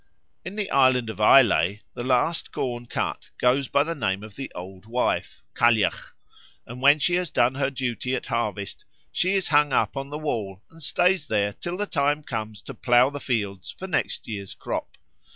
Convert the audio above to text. In the island of Islay the last corn cut goes by the name of the Old Wife (Cailleach), and when she has done her duty at harvest she is hung up on the wall and stays there till the time comes to plough the fields for the next year's crop.